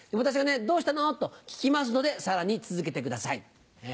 私が「どうしたの？」と聞きますのでさらに続けてください。